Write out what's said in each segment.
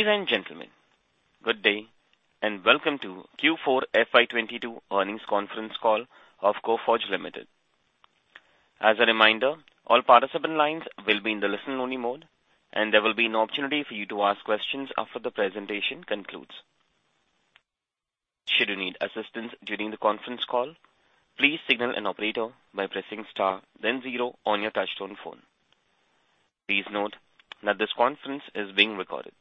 Ladies and gentlemen, good day and welcome to Q4 FY22 earnings conference call of Coforge Limited. As a reminder, all participant lines will be in the listen-only mode, and there will be an opportunity for you to ask questions after the presentation concludes. Should you need assistance during the conference call, please signal an operator by pressing star then zero on your touchtone phone. Please note that this conference is being recorded.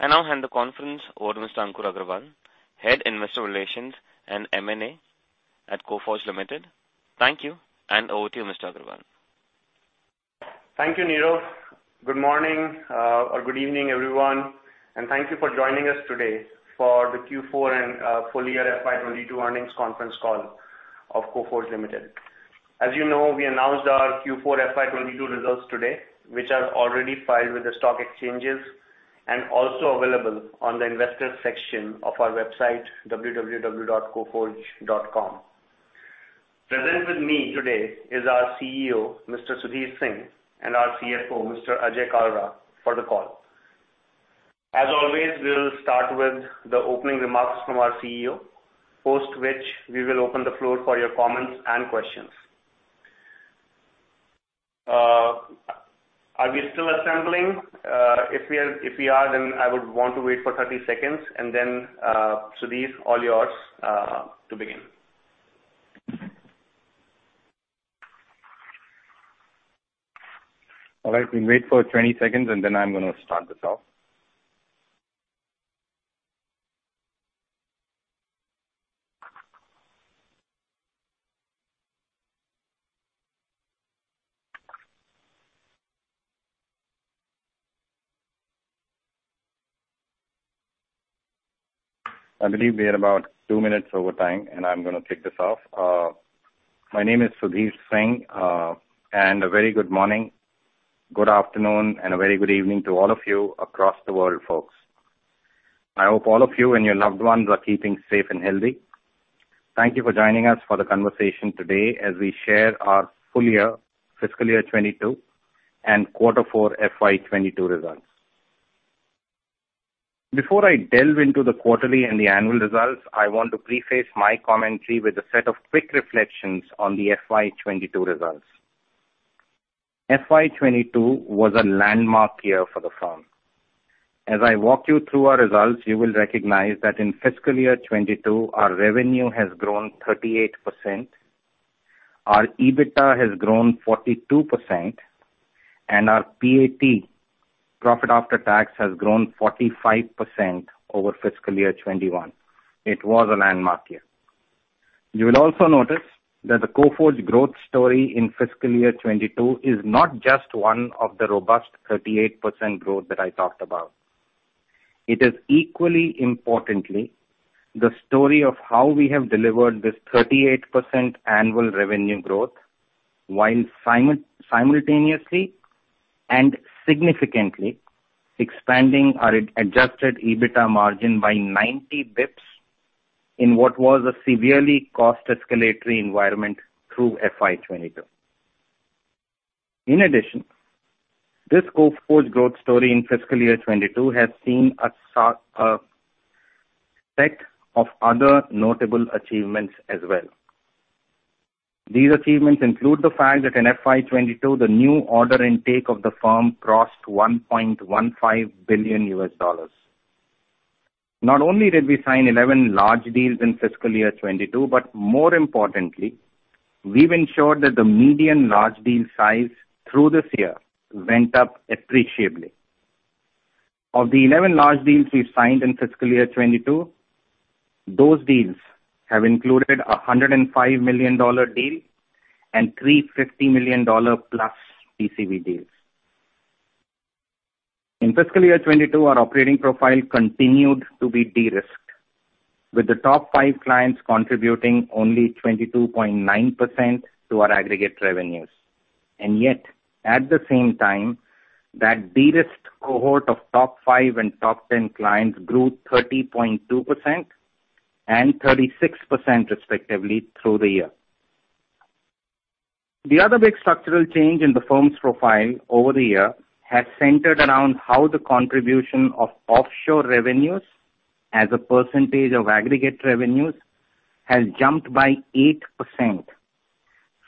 I now hand the conference over to Mr. Ankur Agrawal, Head Investor Relations and M&A at Coforge Limited. Thank you, and over to you, Mr. Agrawal. Thank you, Niro. Good morning, or good evening, everyone, and thank you for joining us today for the Q4 and full year FY 2022 earnings conference call of Coforge Limited. As you know, we announced our Q4 FY 2022 results today, which are already filed with the stock exchanges and also available on the investor section of our website, www.coforge.com. Present with me today is our CEO, Mr. Sudhir Singh, and our CFO, Mr. Ajay Kalra, for the call. As always, we'll start with the opening remarks from our CEO, post which we will open the floor for your comments and questions. Are we still assembling? If we are, then I would want to wait for 30 seconds and then, Sudhir, all yours, to begin. All right. We wait for 20 seconds, and then I'm gonna start this off. I believe we are about 2 minutes over time, and I'm gonna kick this off. My name is Sudhir Singh, and a very good morning, good afternoon, and a very good evening to all of you across the world, folks. I hope all of you and your loved ones are keeping safe and healthy. Thank you for joining us for the conversation today as we share our full year fiscal year 2022 and quarter four FY 2022 results. Before I delve into the quarterly and the annual results, I want to preface my commentary with a set of quick reflections on the FY 2022 results. FY 2022 was a landmark year for the firm. As I walk you through our results, you will recognize that in fiscal year 2022, our revenue has grown 38%. Our EBITDA has grown 42%, and our PAT, profit after tax, has grown 45% over fiscal year 2021. It was a landmark year. You will also notice that the Coforge growth story in fiscal year 2022 is not just one of the robust 38% growth that I talked about. It is equally importantly the story of how we have delivered this 38% annual revenue growth while simultaneously and significantly expanding our adjusted EBITDA margin by 90 basis points in what was a severely cost escalatory environment through FY 2022. In addition, this Coforge growth story in fiscal year 2022 has seen a set of other notable achievements as well. These achievements include the fact that in FY 2022, the new order intake of the firm crossed $1.15 billion. Not only did we sign 11 large deals in fiscal year 2022, but more importantly, we've ensured that the median large deal size through this year went up appreciably. Of the 11 large deals we signed in fiscal year 2022, those deals have included a $105 million deal and $350 million plus TCV deals. In fiscal year 2022, our operating profile continued to be de-risked, with the top five clients contributing only 22.9% to our aggregate revenues. Yet, at the same time, that de-risked cohort of top five and top 10 clients grew 30.2% and 36% respectively through the year. The other big structural change in the firm's profile over the year has centered around how the contribution of offshore revenues as a percentage of aggregate revenues has jumped by 8%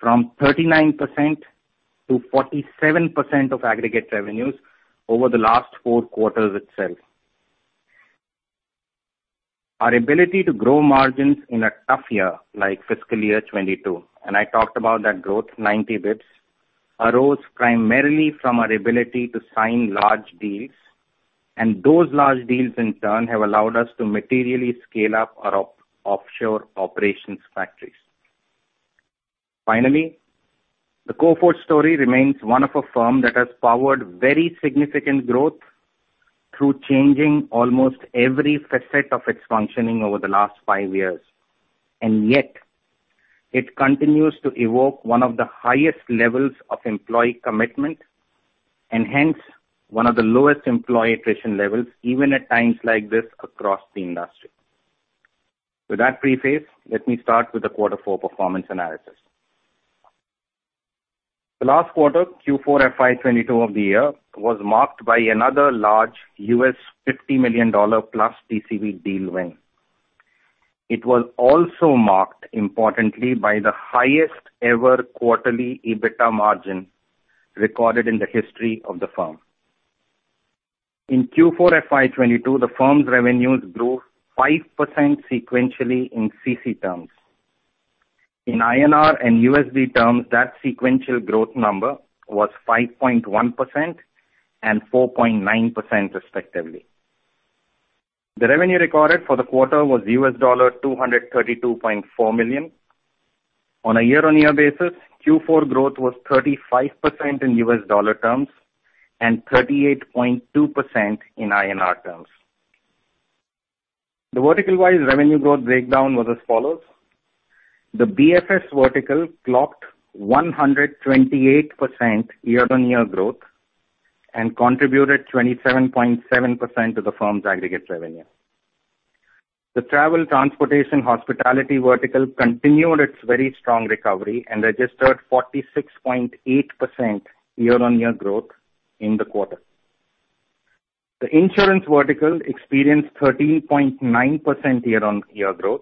from 39% to 47% of aggregate revenues over the last 4 quarters itself. Our ability to grow margins in a tough year like fiscal year 2022, and I talked about that growth 90 basis points, arose primarily from our ability to sign large deals, and those large deals in turn have allowed us to materially scale up our offshore operations factories. Finally, the Coforge story remains one of a firm that has powered very significant growth through changing almost every facet of its functioning over the last 5 years. Yet, it continues to evoke one of the highest levels of employee commitment and hence one of the lowest employee attrition levels, even at times like this across the industry. With that preface, let me start with the quarter four performance analysis. The last quarter, Q4 FY 2022 of the year, was marked by another large $50 million+ TCV deal win. It was also marked, importantly, by the highest ever quarterly EBITDA margin recorded in the history of the firm. In Q4 FY 2022, the firm's revenues grew 5% sequentially in CC terms. In INR and USD terms, that sequential growth number was 5.1% and 4.9% respectively. The revenue recorded for the quarter was $232.4 million. On a year-on-year basis, Q4 growth was 35% in US dollar terms and 38.2% in INR terms. The vertical wise revenue growth breakdown was as follows. The BFS vertical clocked 128% year-over-year growth and contributed 27.7% to the firm's aggregate revenue. The travel, transportation, hospitality vertical continued its very strong recovery and registered 46.8% year-on-year growth in the quarter. The insurance vertical experienced 13.9% year-over-year growth,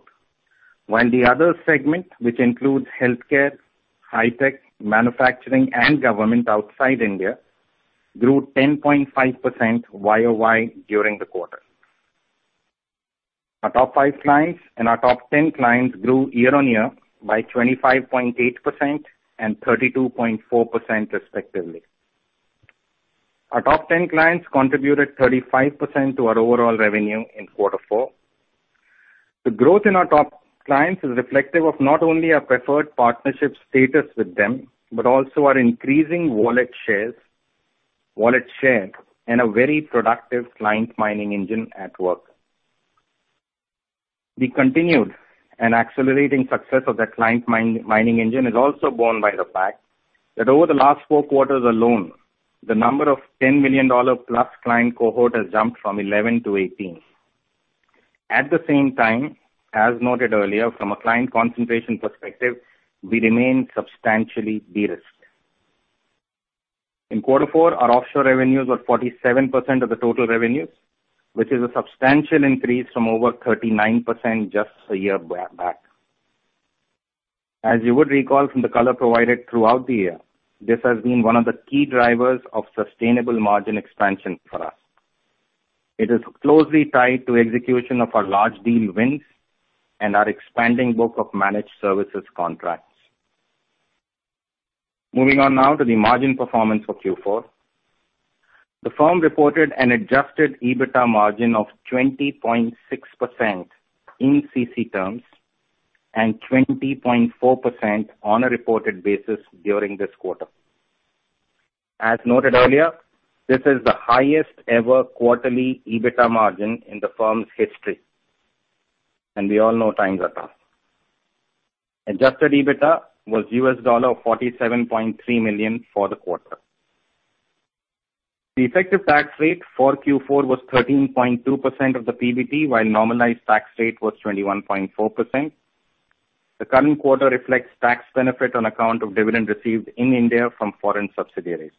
while the other segment, which includes healthcare, high-tech, manufacturing, and government outside India, grew 10.5% Y-o-Y during the quarter. Our top five clients and our top 10 clients grew year-on-year by 25.8% and 32.4% respectively. Our top 10 clients contributed 35% to our overall revenue in quarter four. The growth in our top clients is reflective of not only our preferred partnership status with them, but also our increasing wallet share and a very productive client mining engine at work. The continued and accelerating success of that client mining engine is also borne by the fact that over the last four quarters alone, the number of $10 million-plus client cohort has jumped from 11 to 18. At the same time, as noted earlier, from a client concentration perspective, we remain substantially de-risked. In quarter four, our offshore revenues were 47% of the total revenues, which is a substantial increase from over 39% just a year back. As you would recall from the color provided throughout the year, this has been one of the key drivers of sustainable margin expansion for us. It is closely tied to execution of our large deal wins and our expanding book of managed services contracts. Moving on now to the margin performance for Q4. The firm reported an adjusted EBITDA margin of 20.6% in CC terms and 20.4% on a reported basis during this quarter. As noted earlier, this is the highest ever quarterly EBITDA margin in the firm's history, and we all know times are tough. Adjusted EBITDA was $47.3 million for the quarter. The effective tax rate for Q4 was 13.2% of the PBT, while normalized tax rate was 21.4%. The current quarter reflects tax benefit on account of dividend received in India from foreign subsidiaries.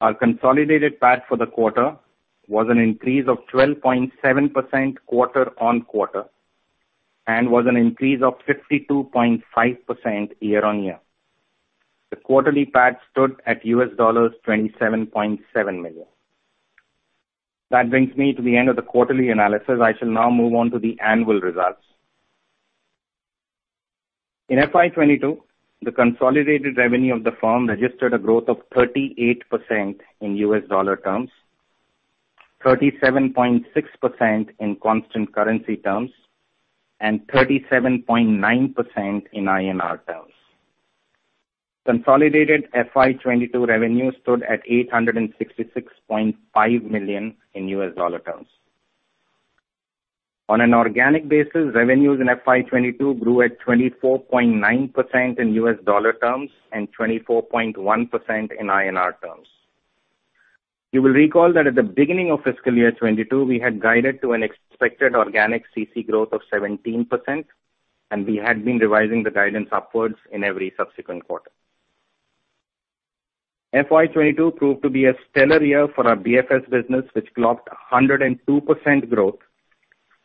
Our consolidated PAT for the quarter was an increase of 12.7% quarter-on-quarter and was an increase of 52.5% year-on-year. The quarterly PAT stood at $27.7 million. That brings me to the end of the quarterly analysis. I shall now move on to the annual results. In FY 2022, the consolidated revenue of the firm registered a growth of 38% in US dollar terms, 37.6% in constant currency terms, and 37.9% in INR terms. Consolidated FY 2022 revenue stood at $866.5 million in US dollar terms. On an organic basis, revenues in FY 2022 grew at 24.9% in US dollar terms and 24.1% in INR terms. You will recall that at the beginning of fiscal year 2022, we had guided to an expected organic CC growth of 17%, and we had been revising the guidance upwards in every subsequent quarter. FY 2022 proved to be a stellar year for our BFS business, which clocked 102% growth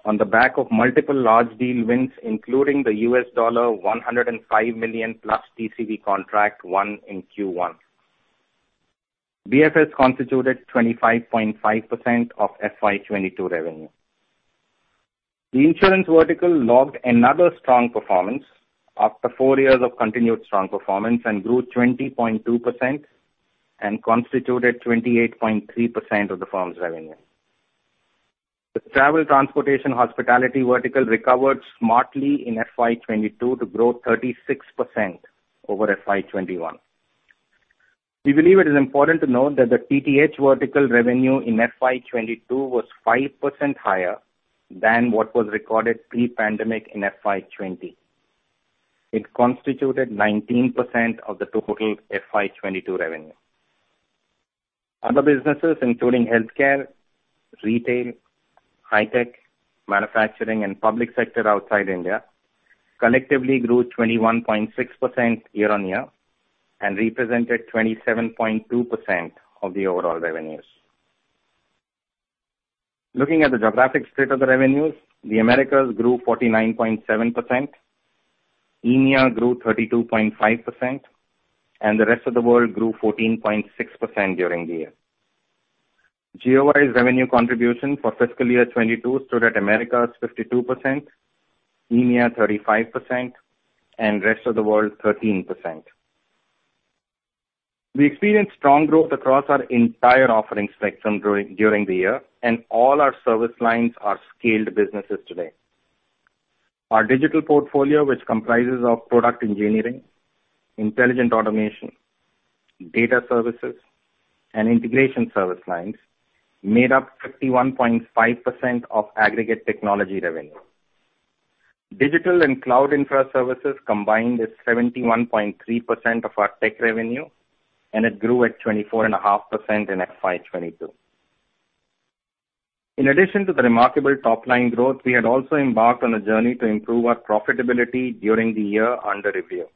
on the back of multiple large deal wins, including the $105 million plus TCV contract won in Q1. BFS constituted 25.5% of FY 2022 revenue. The insurance vertical logged another strong performance after four years of continued strong performance and grew 20.2% and constituted 28.3% of the firm's revenue. The travel, transportation, hospitality vertical recovered smartly in FY 2022 to grow 36% over FY 2021. We believe it is important to note that the TTH vertical revenue in FY 2022 was 5% higher than what was recorded pre-pandemic in FY 2020. It constituted 19% of the total FY 2022 revenue. Other businesses, including healthcare, retail, high tech, manufacturing and public sector outside India, collectively grew 21.6% year-on-year and represented 27.2% of the overall revenues. Looking at the geographic state of the revenues, the Americas grew 49.7%, EMEA grew 32.5%, and the rest of the world grew 14.6% during the year. Geo-wise revenue contribution for fiscal year 2022 stood at Americas 52%, EMEA 35%, and rest of the world 13%. We experienced strong growth across our entire offering spectrum during the year, and all our service lines are scaled businesses today. Our digital portfolio, which comprises of product engineering, intelligent automation, data services, and integration service lines, made up 51.5% of aggregate technology revenue. Digital and cloud infra services combined is 71.3% of our tech revenue, and it grew at 24.5% in FY 2022. In addition to the remarkable top-line growth, we had also embarked on a journey to improve our profitability during the year under review.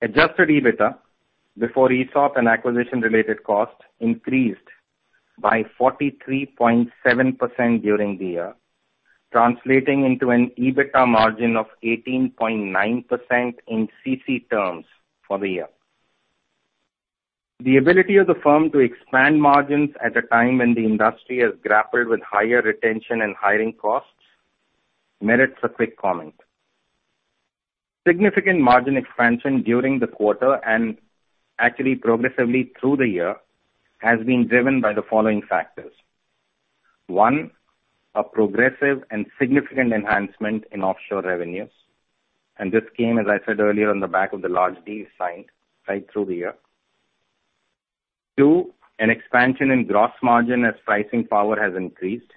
Adjusted EBITDA, before ESOP and acquisition-related costs, increased by 43.7% during the year, translating into an EBITDA margin of 18.9% in CC terms for the year. The ability of the firm to expand margins at a time when the industry has grappled with higher retention and hiring costs merits a quick comment. Significant margin expansion during the quarter, and actually progressively through the year, has been driven by the following factors. One, a progressive and significant enhancement in offshore revenues. This came, as I said earlier, on the back of the large deals signed right through the year. Two, an expansion in gross margin as pricing power has increased.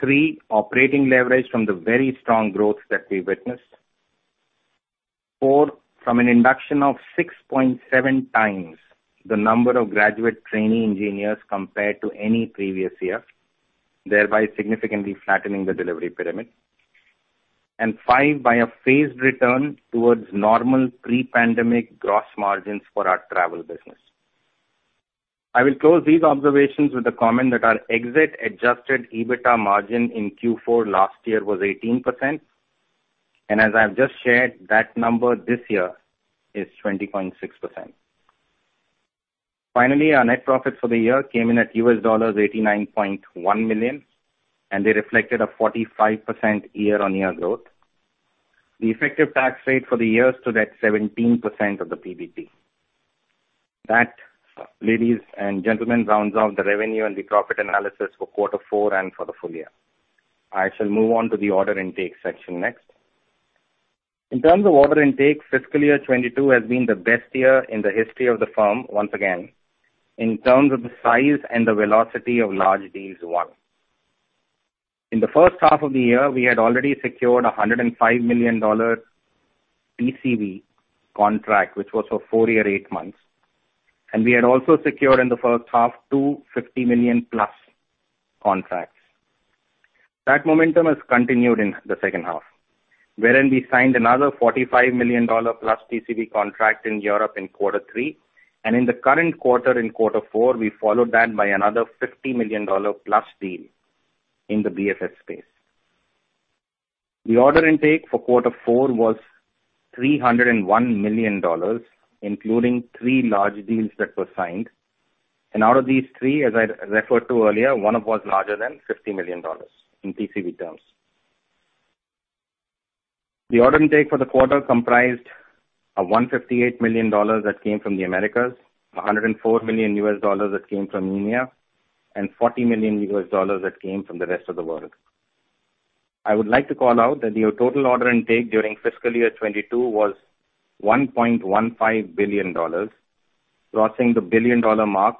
Three, operating leverage from the very strong growth that we witnessed. Four, from an induction of 6.7x the number of graduate trainee engineers compared to any previous year, thereby significantly flattening the delivery pyramid. Five, by a phased return towards normal pre-pandemic gross margins for our travel business. I will close these observations with the comment that our exit-adjusted EBITDA margin in Q4 last year was 18%, and as I've just shared, that number this year is 20.6%. Finally, our net profits for the year came in at $89.1 million, and they reflected a 45% year-on-year growth. The effective tax rate for the year stood at 17% of the PBT. That, ladies and gentlemen, rounds off the revenue and the profit analysis for quarter four and for the full year. I shall move on to the order intake section next. In terms of order intake, fiscal year 2022 has been the best year in the history of the firm, once again, in terms of the size and the velocity of large deals won. In the first half of the year, we had already secured a $105 million TCV contract, which was for four years, eight months. We had also secured in the first half $250 million-plus contracts. That momentum has continued in the second half, wherein we signed another $45 million+ TCV contract in Europe in quarter three. In the current quarter, in quarter four, we followed that by another $50 million+ deal in the BFS space. The order intake for quarter four was $301 million, including three large deals that were signed. Out of these three, as I referred to earlier, one was larger than $50 million in TCV terms. The order intake for the quarter comprised of $158 million that came from the Americas, $104 million that came from EMEA, and $40 million that came from the rest of the world. I would like to call out that the total order intake during fiscal year 2022 was $1.15 billion, crossing the billion-dollar mark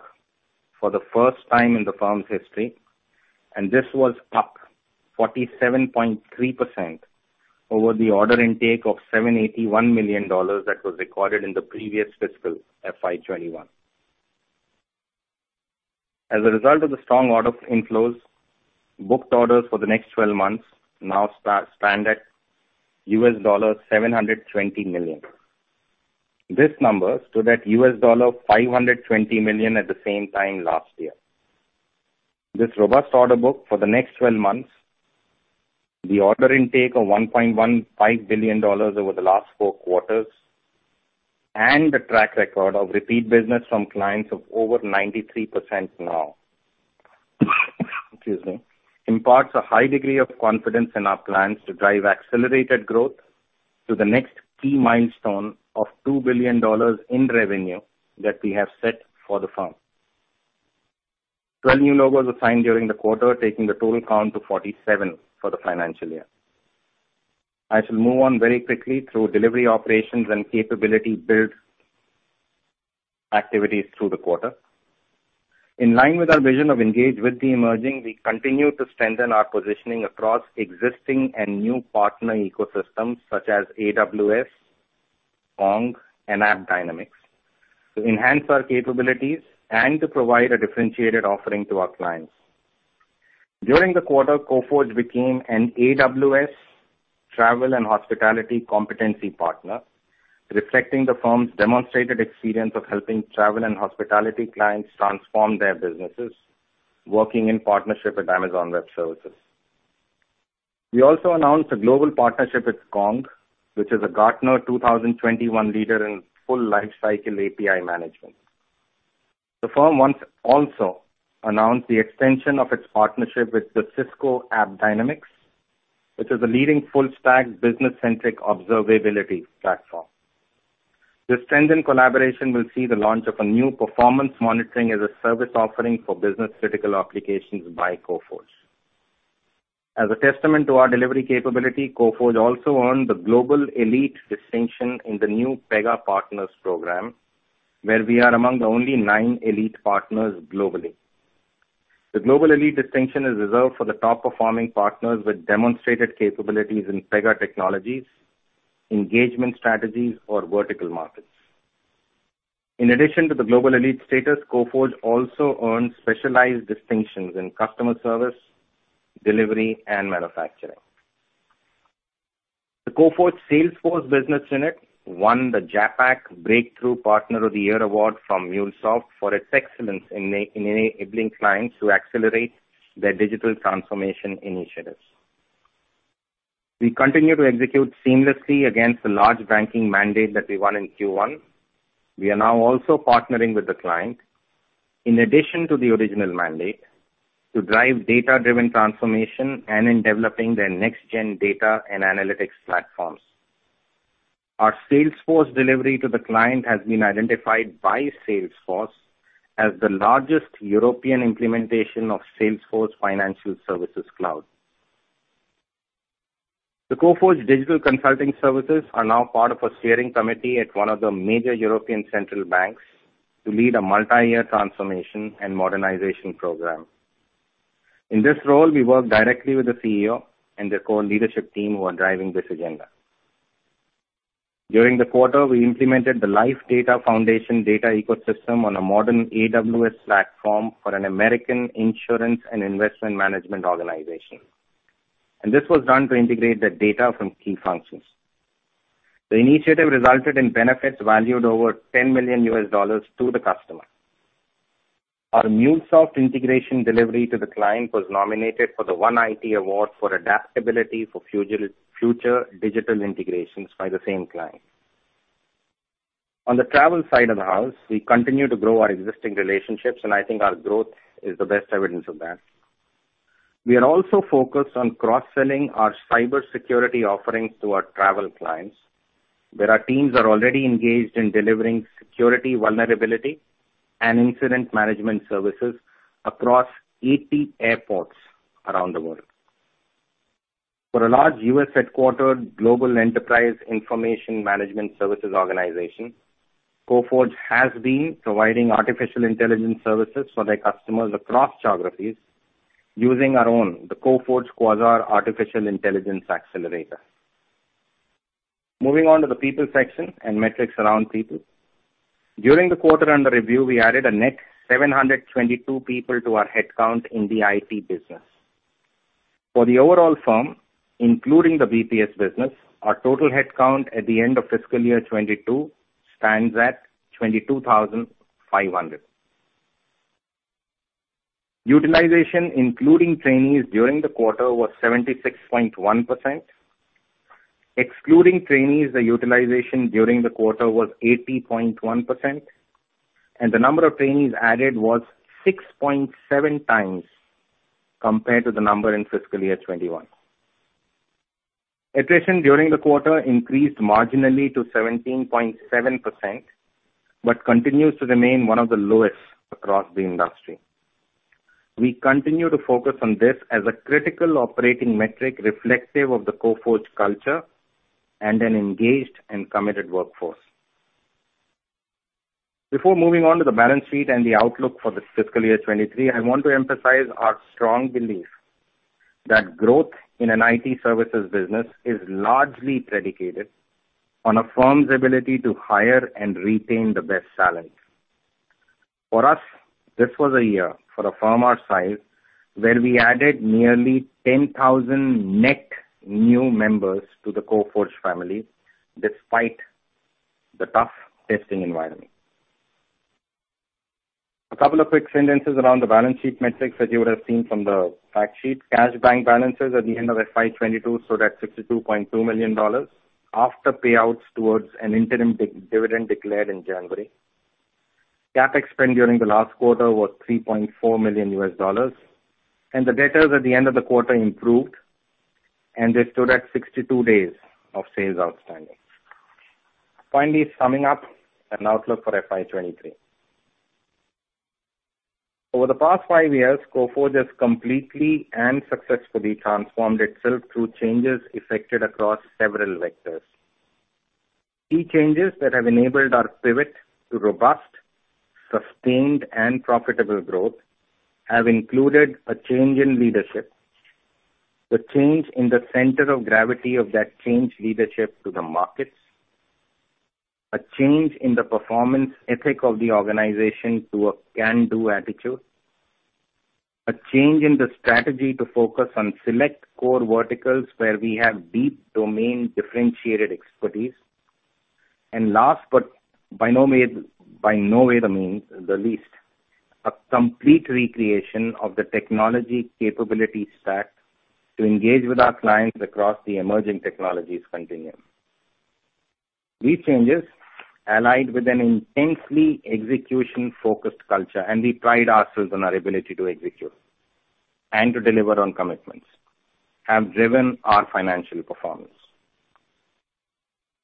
for the first time in the firm's history. This was up 47.3% over the order intake of $781 million that was recorded in the previous fiscal, FY 2021. As a result of the strong order inflows, booked orders for the next twelve months now stand at $720 million. This number stood at $520 million at the same time last year. This robust order book for the next 12 months, the order intake of $1.15 billion over the last 4 quarters, and the track record of repeat business from clients of over 93% now, excuse me, imparts a high degree of confidence in our plans to drive accelerated growth to the next key milestone of $2 billion in revenue that we have set for the firm. 12 new logos were signed during the quarter, taking the total count to 47 for the financial year. I shall move on very quickly through delivery, operations and capability build activities through the quarter. In line with our vision of engage with the emerging, we continue to strengthen our positioning across existing and new partner ecosystems such as AWS, Kong, and AppDynamics, to enhance our capabilities and to provide a differentiated offering to our clients. During the quarter, Coforge became an AWS travel and hospitality competency partner, reflecting the firm's demonstrated experience of helping travel and hospitality clients transform their businesses, working in partnership with Amazon Web Services. We also announced a global partnership with Kong, which is a Gartner 2021 leader in full lifecycle API management. The firm also announced the extension of its partnership with the Cisco AppDynamics, which is a leading full-stack business-centric observability platform. This trending collaboration will see the launch of a new performance monitoring-as-a-service offering for business-critical applications by Coforge. As a testament to our delivery capability, Coforge also earned the Global Elite distinction in the new Pega Partners Program, where we are among the only nine elite partners globally. The Global Elite distinction is reserved for the top-performing partners with demonstrated capabilities in Pega technologies, engagement strategies or vertical markets. In addition to the Global Elite status, Coforge also owns specialized distinctions in customer service, delivery, and manufacturing. The Coforge Salesforce business unit won the JAPAC Breakthrough Partner of the Year award from MuleSoft for its excellence in enabling clients to accelerate their digital transformation initiatives. We continue to execute seamlessly against the large banking mandate that we won in Q1. We are now also partnering with the client in addition to the original mandate to drive data-driven transformation and in developing their next gen data and analytics platforms. Our Salesforce delivery to the client has been identified by Salesforce as the largest European implementation of Salesforce Financial Services Cloud. The Coforge digital consulting services are now part of a steering committee at one of the major European Central Banks to lead a multi-year transformation and modernization program. In this role, we work directly with the CEO and their core leadership team who are driving this agenda. During the quarter, we implemented the Life Data Foundation data ecosystem on a modern AWS platform for an American insurance and investment management organization. This was done to integrate the data from key functions. The initiative resulted in benefits valued over $10 million to the customer. Our MuleSoft integration delivery to the client was nominated for the one IT award for adaptability for future digital integrations by the same client. On the travel side of the house, we continue to grow our existing relationships, and I think our growth is the best evidence of that. We are also focused on cross-selling our cybersecurity offerings to our travel clients, where our teams are already engaged in delivering security, vulnerability and incident management services across 80 airports around the world. For a large U.S.,-headquartered global enterprise information management services organization, Coforge has been providing artificial intelligence services for their customers across geographies using our own, the Coforge Quasar Artificial Intelligence Accelerator. Moving on to the people section and metrics around people. During the quarter under review, we added a net 722 people to our headcount in the IT business. For the overall firm, including the BPS business, our total headcount at the end of fiscal year 2022 stands at 22,500. Utilization, including trainees during the quarter, was 76.1%. Excluding trainees, the utilization during the quarter was 80.1%, and the number of trainees added was 6.7 times compared to the number in fiscal year 2021. Attrition during the quarter increased marginally to 17.7%, but continues to remain one of the lowest across the industry. We continue to focus on this as a critical operating metric reflective of the Coforge culture and an engaged and committed workforce. Before moving on to the balance sheet and the outlook for the fiscal year 2023, I want to emphasize our strong belief that growth in an IT services business is largely predicated on a firm's ability to hire and retain the best talent. For us, this was a year for a firm our size, where we added nearly 10,000 net new members to the Coforge family despite the tough testing environment. A couple of quick sentences around the balance sheet metrics that you would have seen from the fact sheet. Cash bank balances at the end of FY 2022 stood at $62.2 million after payouts towards an interim dividend declared in January. CapEx spend during the last quarter was $3.4 million. The debtors at the end of the quarter improved, and they stood at 62 days of sales outstanding. Finally, summing up an outlook for FY 2023. Over the past five years, Coforge has completely and successfully transformed itself through changes effected across several vectors. Key changes that have enabled our pivot to robust, sustained, and profitable growth have included a change in leadership. The change in the center of gravity of that changed leadership to the markets. A change in the performance ethic of the organization to a can-do attitude. A change in the strategy to focus on select core verticals where we have deep domain differentiated expertise. Last, but by no means the least, a complete recreation of the technology capability stack to engage with our clients across the emerging technologies continuum. These changes allied with an intensely execution-focused culture, and we pride ourselves on our ability to execute and to deliver on commitments, have driven our financial performance.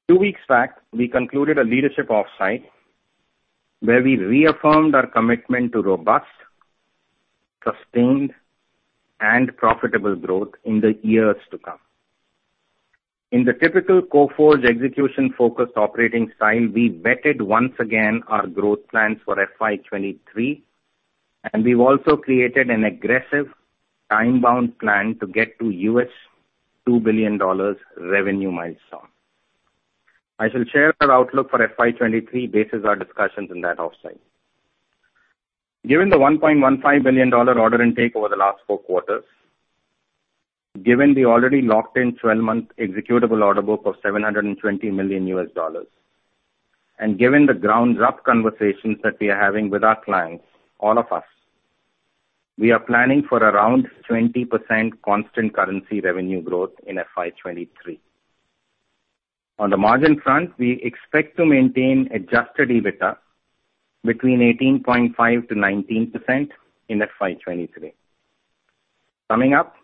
Two weeks back, we concluded a leadership offsite, where we reaffirmed our commitment to robust, sustained, and profitable growth in the years to come. In the typical Coforge execution-focused operating style, we vetted once again our growth plans for FY 2023, and we've also created an aggressive time-bound plan to get to $2 billion revenue milestone. I shall share our outlook for FY 2023 based on our discussions in that offsite. Given the $1.15 billion order intake over the last four quarters, given the already locked-in twelve-month executable order book of $720 million, and given the ground-up conversations that we are having with our clients, all of us, we are planning for around 20% constant currency revenue growth in FY 2023. On the margin front, we expect to maintain adjusted EBITDA between 18.5%-19% in FY 2023. Summing up,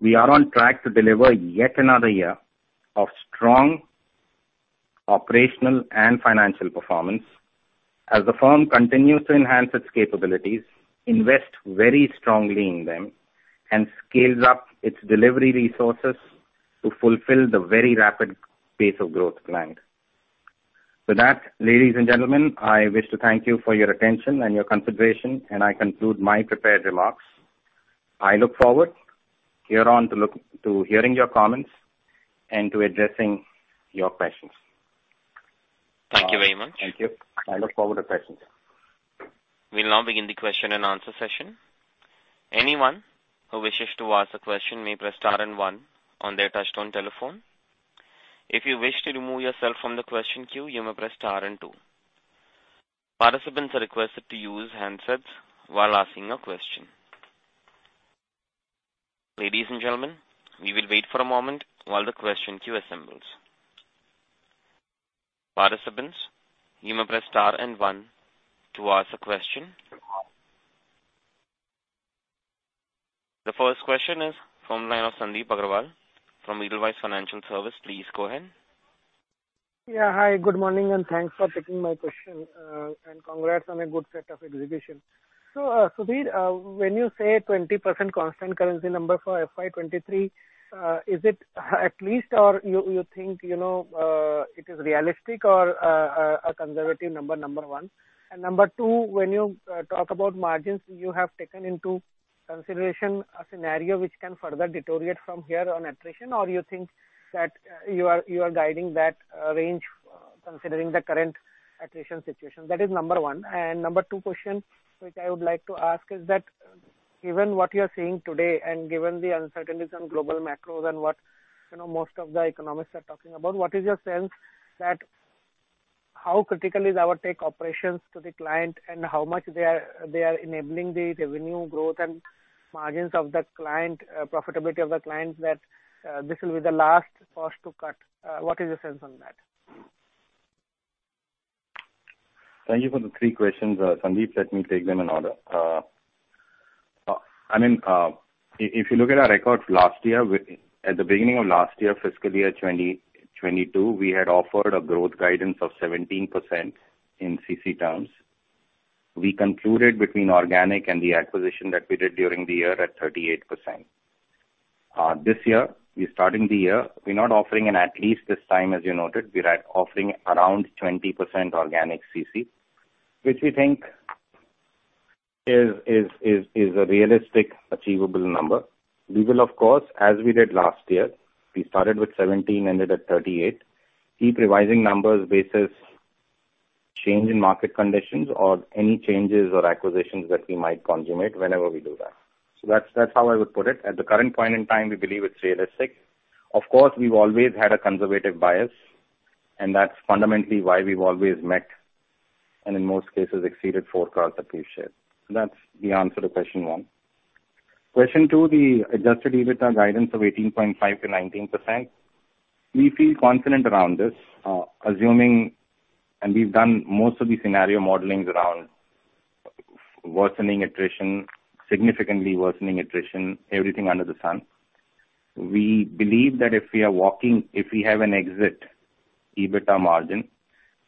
we are on track to deliver yet another year of strong operational and financial performance as the firm continues to enhance its capabilities, invest very strongly in them, and scales up its delivery resources to fulfill the very rapid pace of growth planned. With that, ladies and gentlemen, I wish to thank you for your attention and your consideration, and I conclude my prepared remarks. I look forward hereon to hearing your comments and to addressing your questions. Thank you very much. Thank you. I look forward to questions. We'll now begin the question and answer session. Anyone who wishes to ask a question may press star and one on their touchtone telephone. If you wish to remove yourself from the question queue, you may press star and two. Participants are requested to use handsets while asking a question. Ladies and gentlemen, we will wait for a moment while the question queue assembles. Participants, you may press star and one to ask a question. The first question is from the line of Sandeep Agarwal from Edelweiss Financial Services. Please go ahead. Yeah. Hi, good morning, and thanks for taking my question. Congrats on a good set of execution. Sudhir, when you say 20% constant currency number for FY 2023, is it at least or you think, you know, it is realistic or a conservative number one? Number two, when you talk about margins, you have taken into consideration a scenario which can further deteriorate from here on attrition or you think that you are guiding that range considering the current attrition situation. That is number one. Number two question, which I would like to ask, is that given what you're seeing today and given the uncertainties on global macros and what, you know, most of the economists are talking about, what is your sense that how critical is our tech operations to the client and how much they are enabling the revenue growth and margins of that client, profitability of the clients that this will be the last cost to cut? What is your sense on that? Thank you for the three questions, Sandeep. Let me take them in order. I mean, if you look at our records last year, at the beginning of last year, fiscal year 2022, we had offered a growth guidance of 17% in CC terms. We concluded between organic and the acquisition that we did during the year at 38%. This year, we're starting the year, we're not offering, at least this time, as you noted. We're offering around 20% organic CC, which we think is a realistic achievable number. We will of course, as we did last year, we started with 17, ended at 38, keep revising numbers basis change in market conditions or any changes or acquisitions that we might consummate whenever we do that. That's how I would put it. At the current point in time, we believe it's realistic. Of course, we've always had a conservative bias, and that's fundamentally why we've always met, and in most cases exceeded, forecasts that we've shared. That's the answer to question one. Question two, the adjusted EBITDA guidance of 18.5%-19%. We feel confident around this, assuming. We've done most of the scenario modelings around worsening attrition, significantly worsening attrition, everything under the sun. We believe that if we are walking, if we have an exit EBITDA margin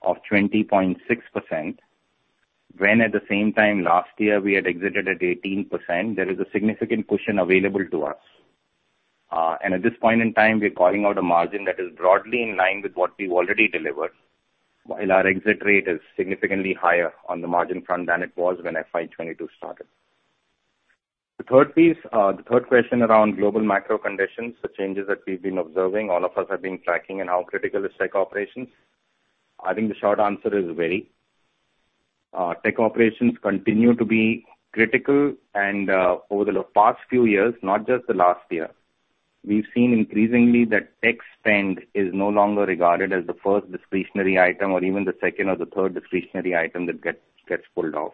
of 20.6%. When at the same time last year we had exited at 18%, there is a significant cushion available to us. At this point in time, we're calling out a margin that is broadly in line with what we've already delivered, while our exit rate is significantly higher on the margin front than it was when FY 2022 started. The third piece, the third question around global macro conditions, the changes that we've been observing, all of us have been tracking and how critical is tech operations. I think the short answer is very. Tech operations continue to be critical and, over the past few years, not just the last year, we've seen increasingly that tech spend is no longer regarded as the first discretionary item or even the second or the third discretionary item that gets pulled off.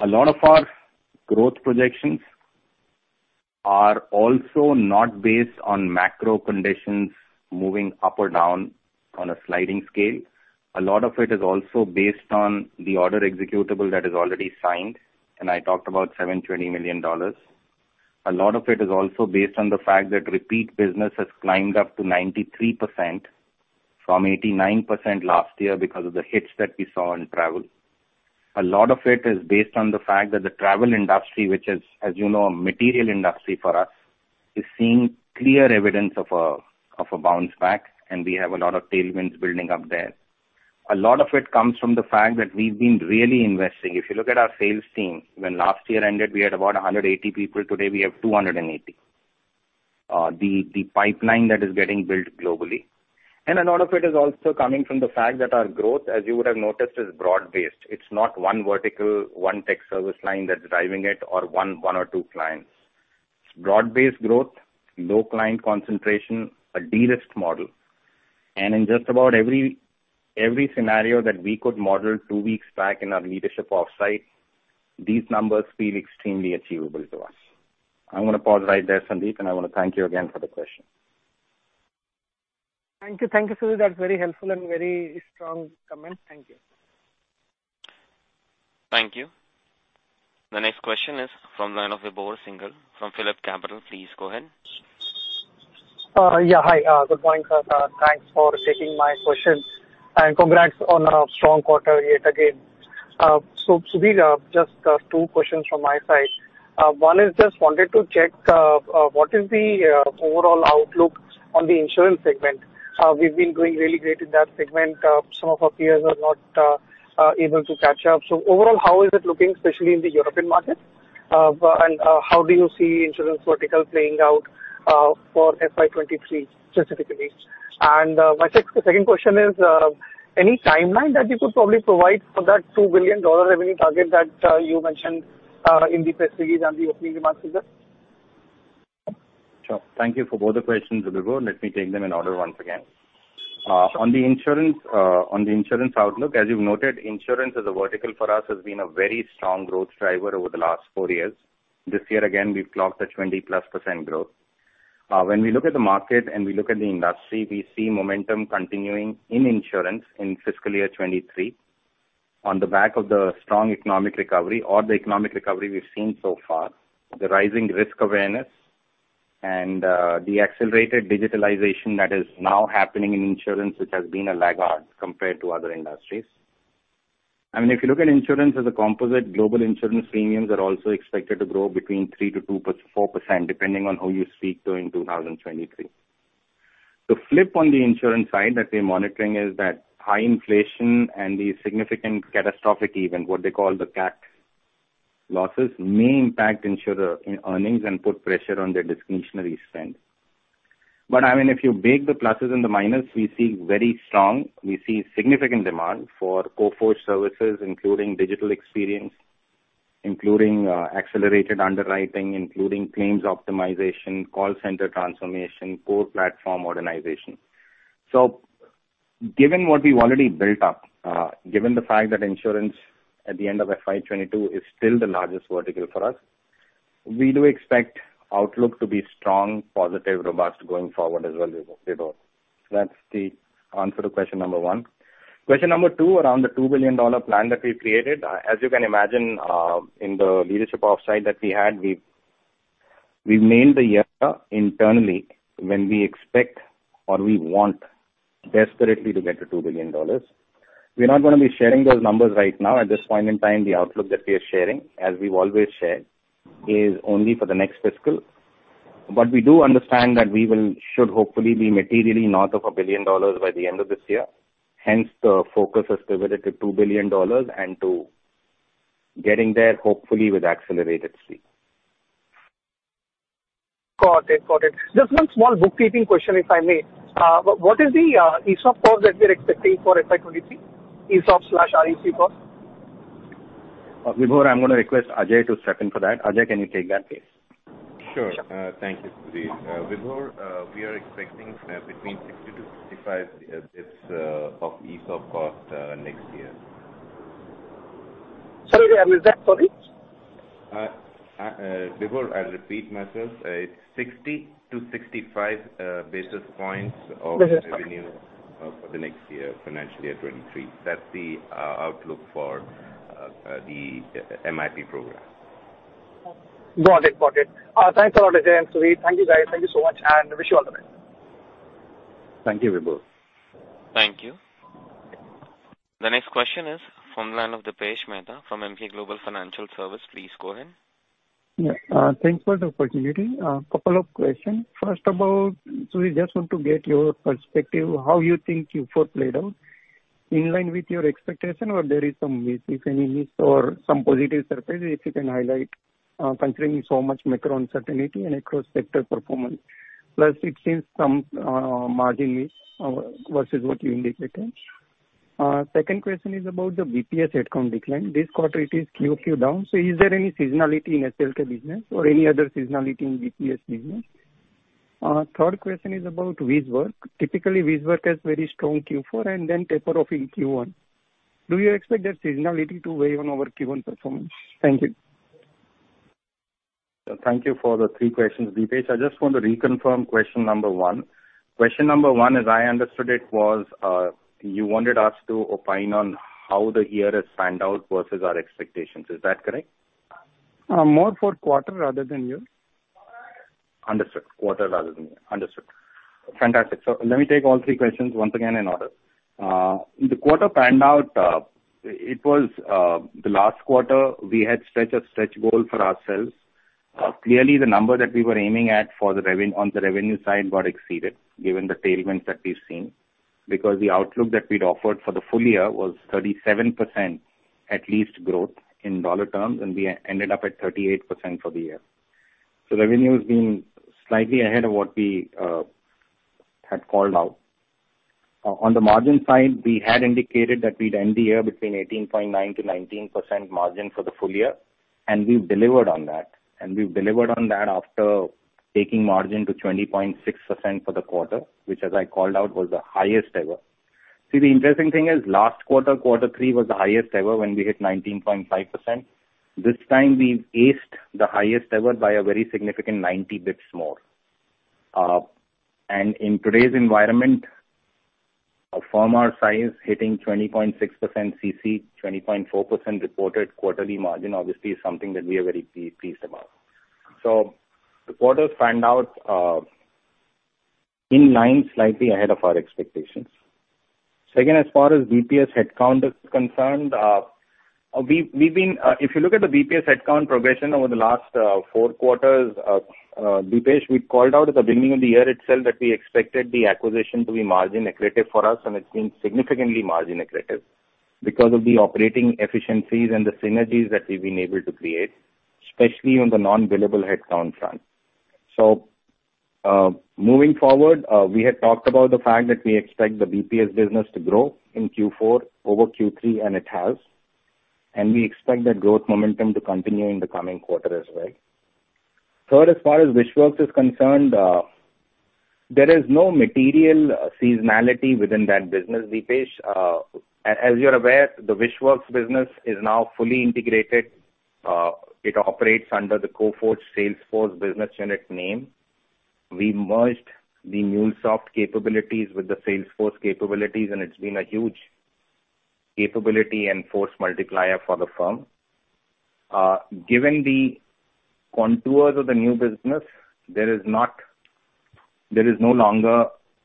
A lot of our growth projections are also not based on macro conditions moving up or down on a sliding scale. A lot of it is also based on the order executable that is already signed, and I talked about $720 million. A lot of it is also based on the fact that repeat business has climbed up to 93% from 89% last year because of the hits that we saw in travel. A lot of it is based on the fact that the travel industry, which is, as you know, a material industry for us, is seeing clear evidence of a bounce back, and we have a lot of tailwinds building up there. A lot of it comes from the fact that we've been really investing. If you look at our sales team, when last year ended, we had about 180 people. Today, we have 280. The pipeline that is getting built globally. A lot of it is also coming from the fact that our growth, as you would have noticed, is broad-based. It's not one vertical, one tech service line that's driving it or one or two clients. Broad-based growth, low client concentration, a de-risk model. In just about every scenario that we could model two weeks back in our leadership offsite, these numbers feel extremely achievable to us. I'm gonna pause right there, Sandeep, and I wanna thank you again for the question. Thank you. Thank you, Sudhir. That's very helpful and very strong comment. Thank you. Thank you. The next question is from line of Vibhor Singhal from PhillipCapital. Please go ahead. Yeah. Hi. Good morning, sir. Thanks for taking my questions. Congrats on a strong quarter yet again. Sudhir, just two questions from my side. I just wanted to check what the overall outlook on the insurance segment is. We've been doing really great in that segment. Some of our peers are not able to catch up. Overall, how is it looking, especially in the European market? How do you see insurance vertical playing out for FY 2023 specifically? My second question is, any timeline that you could probably provide for that $2 billion revenue target that you mentioned in the press release and the opening remarks, Sudhir? Sure. Thank you for both the questions, Vibhor. Let me take them in order once again. On the insurance outlook, as you've noted, insurance as a vertical for us has been a very strong growth driver over the last four years. This year again, we've clocked a 20%+ growth. When we look at the market and we look at the industry, we see momentum continuing in insurance in fiscal year 2023 on the back of the strong economic recovery we've seen so far, the rising risk awareness and the accelerated digitalization that is now happening in insurance, which has been a laggard compared to other industries. I mean, if you look at insurance as a composite, global insurance premiums are also expected to grow between 3%-4%, depending on who you speak to in 2023. The flip on the insurance side that we're monitoring is that high inflation and the significant catastrophic event, what they call the CAT losses, may impact insurer earnings and put pressure on their discretionary spend. I mean, if you weigh the pluses and the minus, we see very strong, significant demand for Coforge services, including digital experience, including accelerated underwriting, including claims optimization, call center transformation, core platform organization. Given what we've already built up, given the fact that insurance at the end of FY 2022 is still the largest vertical for us, we do expect outlook to be strong, positive, robust going forward as well, Vibhor. That's the answer to question number one. Question number two, around the $2 billion plan that we created. As you can imagine, in the leadership offsite that we had, we've named the year internally when we expect or we want desperately to get to $2 billion. We're not gonna be sharing those numbers right now. At this point in time, the outlook that we are sharing, as we've always shared, is only for the next fiscal. We do understand that we should hopefully be materially north of $1 billion by the end of this year. Hence, the focus has pivoted to $2 billion and to getting there hopefully with accelerated speed. Got it. Just one small bookkeeping question, if I may. What is the ESOP cost that we're expecting for FY 2023? ESOP slash RSU cost? Vibhor, I'm gonna request Ajay to step in for that. Ajay, can you take that, please? Sure. Thank you, Sudhir. Vibhor, we are expecting between 60-65 basis points of ESOP cost next year. Sorry, I missed that. Sorry. Vibhor, I'll repeat myself. It's 60-65 basis points of revenue for the next year, financial year 2023. That's the MIP program. Got it. Thanks a lot, Ajay and Sudhir. Thank you, guys. Thank you so much, and wish you all the best. Thank you, Vibhor. Thank you. The next question is from the line of Dipesh Mehta from Emkay Global Financial Services. Please go ahead. Yeah. Thanks for the opportunity. Couple of questions. First of all, so we just want to get your perspective how you think Q4 played out. In line with your expectation or there is some risk, if any, or some positive surprise, if you can highlight, considering so much macro uncertainty and across sector performance. Plus it seems some margin risk versus what you indicated. Second question is about the BPS headcount decline. This quarter it is Q/Q down, so is there any seasonality in SLK business or any other seasonality in BPS business? Third question is about WHISHWORKS. Typically, WHISHWORKS has very strong Q4 and then taper off in Q1. Do you expect that seasonality to weigh on our Q1 performance? Thank you. Thank you for the three questions, Dipesh. I just want to reconfirm question number one. Question number one, as I understood it, was, you wanted us to opine on how the year has panned out versus our expectations. Is that correct? More for quarter rather than year. Understood. Quarter rather than year. Understood. Fantastic. Let me take all three questions once again in order. The quarter panned out, it was the last quarter we had stretched a stretch goal for ourselves. Clearly, the number that we were aiming at for the revenue side got exceeded given the tailwinds that we've seen, because the outlook that we'd offered for the full year was 37% at least growth in dollar terms, and we ended up at 38% for the year. Revenue has been slightly ahead of what we had called out. On the margin side, we had indicated that we'd end the year between 18.9%-19% margin for the full year, and we've delivered on that, and we've delivered on that after taking margin to 20.6% for the quarter, which as I called out, was the highest ever. See, the interesting thing is last quarter three, was the highest ever when we hit 19.5%. This time we've exceeded the highest ever by a very significant 90 basis points more. And in today's environment, a firm our size hitting 20.6% CC, 20.4% reported quarterly margin obviously is something that we are very pleased about. So the quarters panned out in line, slightly ahead of our expectations. Second, as far as BPS headcount is concerned, we've been... If you look at the BPS headcount progression over the last four quarters, Dipesh, we called out at the beginning of the year itself that we expected the acquisition to be margin accretive for us, and it's been significantly margin accretive because of the operating efficiencies and the synergies that we've been able to create, especially on the non-billable headcount front. Moving forward, we had talked about the fact that we expect the BPS business to grow in Q4 over Q3, and it has, and we expect that growth momentum to continue in the coming quarter as well. Third, as far as WHISHWORKS is concerned, there is no material seasonality within that business, Dipesh. As you're aware, the WHISHWORKS business is now fully integrated. It operates under the Coforge Salesforce business unit name. We merged the MuleSoft capabilities with the Salesforce capabilities, and it's been a huge capability and force multiplier for the firm. Given the contours of the new business, there is no longer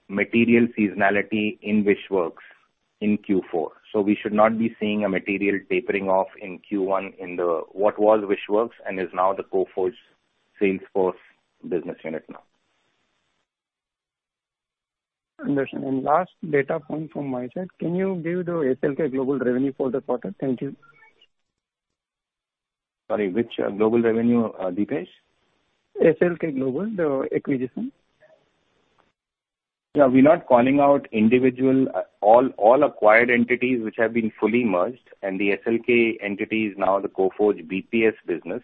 material seasonality in WHISHWORKS in Q4. We should not be seeing a material tapering off in Q1 in what was WHISHWORKS and is now the Coforge Salesforce business unit now. Understood. Last data point from my side, can you give the SLK Global revenue for the quarter? Thank you. Sorry, which global revenue, Dipesh? SLK Global, the acquisition. Yeah. We're not calling out all acquired entities which have been fully merged, and the SLK entity is now the Coforge BPS business.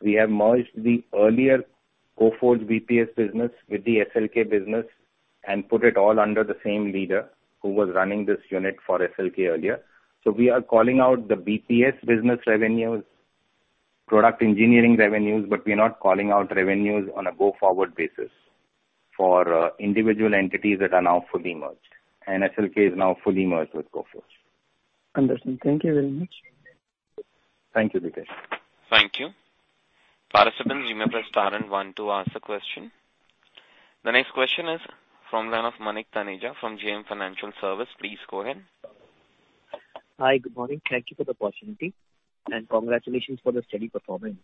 We have merged the earlier Coforge BPS business with the SLK business and put it all under the same leader who was running this unit for SLK earlier. We are calling out the BPS business revenues, product engineering revenues, but we're not calling out revenues on a go-forward basis for individual entities that are now fully merged. SLK is now fully merged with Coforge. Understood. Thank you very much. Thank you, Dipesh. Thank you. Participants, remember star and one to ask a question. The next question is from the line of Manik Taneja from JM Financial Services. Please go ahead. Hi. Good morning. Thank you for the opportunity, and congratulations for the steady performance.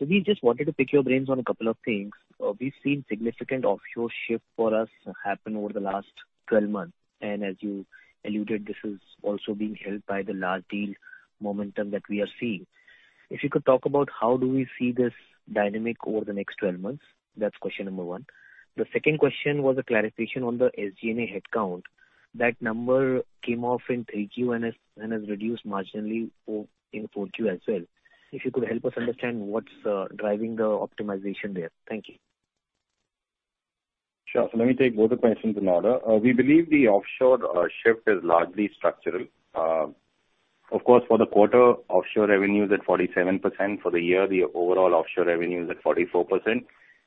We just wanted to pick your brains on a couple of things. We've seen significant offshore shift for us happen over the last twelve months, and as you alluded, this is also being helped by the large deal momentum that we are seeing. If you could talk about how do we see this dynamic over the next twelve months? That's question number one. The second question was a clarification on the SG&A headcount. That number came off in 3Q and has reduced marginally in 4Q as well. If you could help us understand what's driving the optimization there. Thank you. Sure. Let me take both the questions in order. We believe the offshore shift is largely structural. Of course, for the quarter, offshore revenue is at 47%. For the year, the overall offshore revenue is at 44%.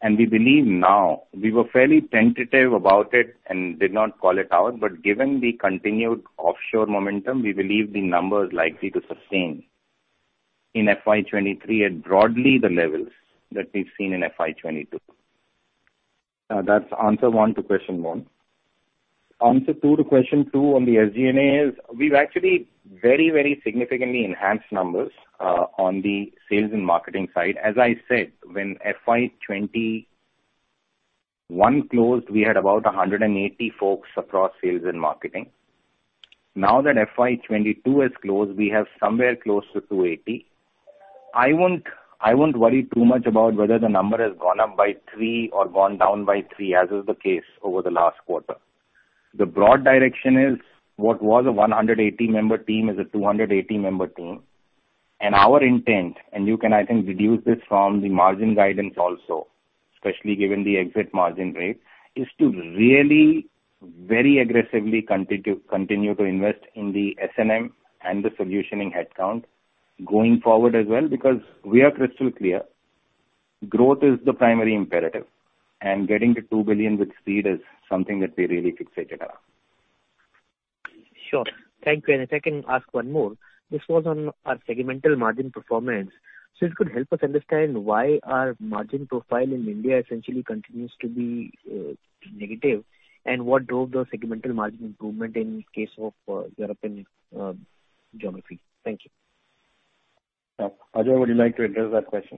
We were fairly tentative about it and did not call it out, but given the continued offshore momentum, we believe the number is likely to sustain in FY 2023 at broadly the levels that we've seen in FY 2022. That's answer one to question one. Answer two to question two on the SG&A is we've actually very, very significantly enhanced numbers on the sales and marketing side. As I said, when FY 2021 closed, we had about 180 folks across sales and marketing. Now that FY 2022 has closed, we have somewhere close to 280. I won't worry too much about whether the number has gone up by three or gone down by three as is the case over the last quarter. The broad direction is what was a 180-member team is a 280-member team. Our intent, and you can, I think, deduce this from the margin guidance also, especially given the exit margin rate, is to really very aggressively continue to invest in the S&M and the solutioning headcount going forward as well, because we are crystal clear. Growth is the primary imperative, and getting to $2 billion with speed is something that we're really fixated on. Sure. Thank you. If I can ask one more. This was on our segmental margin performance. If you could help us understand why our margin profile in India essentially continues to be negative, and what drove the segmental margin improvement in case of European geography? Thank you. Ajay, would you like to address that question?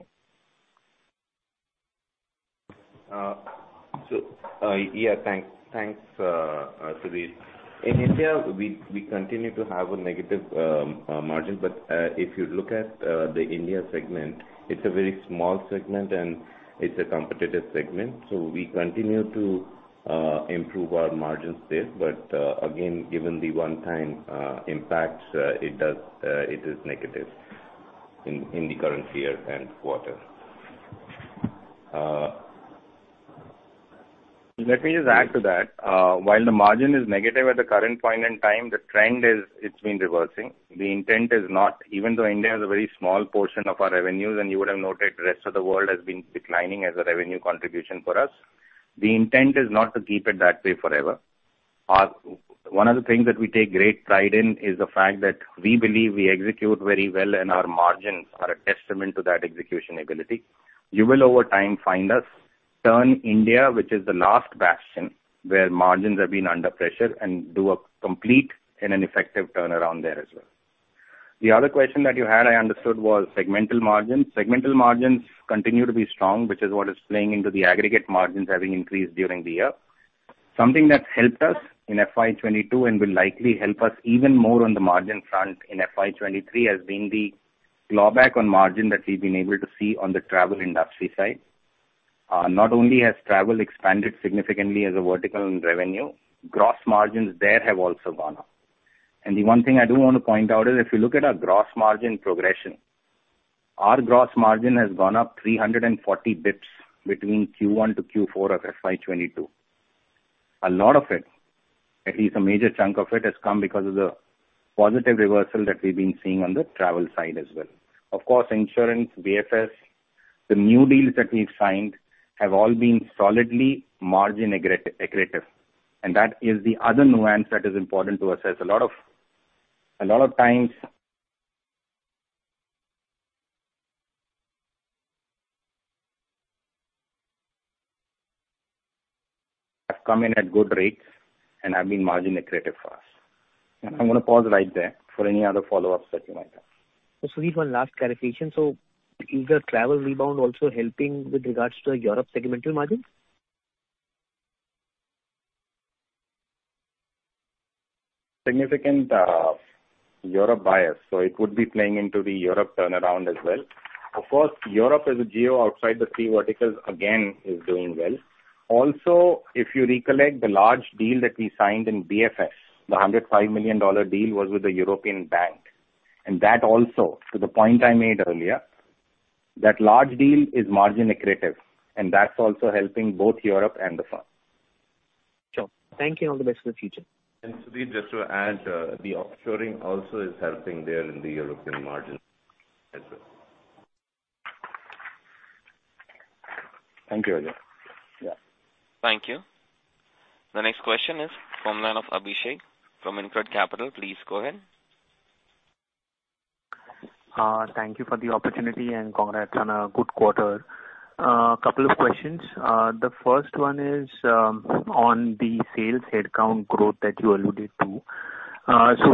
Yeah, thanks. Thanks, Sudhir. In India, we continue to have a negative margin, but if you look at the India segment, it's a very small segment and it's a competitive segment. We continue to improve our margin there. Again, given the one-time impacts, it is negative in the current year and quarter. Let me just add to that. While the margin is negative at the current point in time, the trend is it's been reversing. The intent is not even though India is a very small portion of our revenues, and you would have noted the rest of the world has been declining as a revenue contribution for us, the intent is not to keep it that way forever. One of the things that we take great pride in is the fact that we believe we execute very well, and our margins are a testament to that execution ability. You will over time find us turn India, which is the last bastion where margins have been under pressure and do a complete and an effective turnaround there as well. The other question that you had, I understood, was segmental margins. Segmental margins continue to be strong, which is what is playing into the aggregate margins having increased during the year. Something that's helped us in FY 2022 and will likely help us even more on the margin front in FY 2023 has been the clawback on margin that we've been able to see on the travel industry side. Not only has travel expanded significantly as a vertical in revenue, gross margins there have also gone up. The one thing I do wanna point out is if you look at our gross margin progression, our gross margin has gone up 340 basis points between Q1-Q4 of FY 2022. A lot of it, at least a major chunk of it, has come because of the positive reversal that we've been seeing on the travel side as well. Of course, insurance, BFS, the new deals that we've signed have all been solidly margin accretive, and that is the other nuance that is important to assess. A lot of times have come in at good rates and have been margin accretive for us. I'm gonna pause right there for any other follow-ups that you might have. Sudhir, one last clarification. Is the travel rebound also helping with regards to Europe segmental margins? Significant Europe bias, so it would be playing into the Europe turnaround as well. Of course, Europe as a geo outside the three verticals again is doing well. Also, if you recollect the large deal that we signed in BFS, the $105 million deal was with a European bank. That also, to the point I made earlier, that large deal is margin accretive, and that's also helping both Europe and the firm. Sure. Thank you. All the best for the future. Sudhir, just to add, the offshoring also is helping there in the European margin as well. Thank you, Ajay. Yeah. Thank you. The next question is from the line of Abhishek from InCred Capital. Please go ahead. Thank you for the opportunity, and congrats on a good quarter. Couple of questions. The first one is on the sales headcount growth that you alluded to.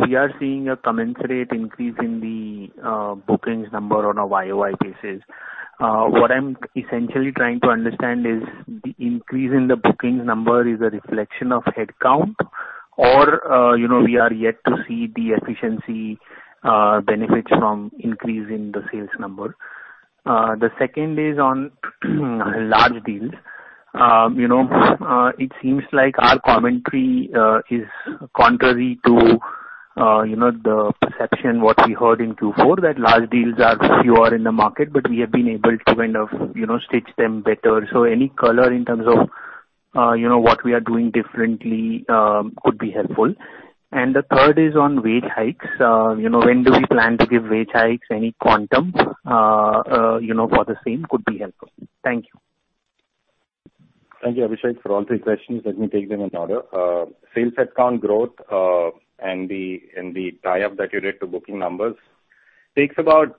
We are seeing a commensurate increase in the bookings number on a Y-o-Y basis. What I'm essentially trying to understand is the increase in the bookings number is a reflection of headcount or, you know, we are yet to see the efficiency benefits from increase in the sales number. The second is on large deals. You know, it seems like our commentary is contrary to the perception what we heard in Q4, that large deals are fewer in the market, but we have been able to kind of, you know, stitch them better. Any color in terms of, you know, what we are doing differently, could be helpful. The third is on wage hikes. You know, when do we plan to give wage hikes? Any quantum, you know, for the same could be helpful. Thank you. Thank you, Abhishek, for all three questions. Let me take them in order. Sales headcount growth and the tie-up that you did to booking numbers. From